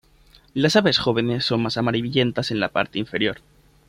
Las aves jóvenes son más amarillentas en la parte inferior.